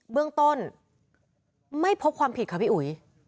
เบื้องต้นไม่พบความผิดค่ะพี่อุ๋ย